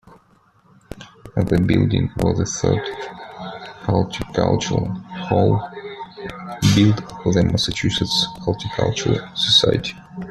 The building was the third "Horticultural Hall" built for the Massachusetts Horticultural Society.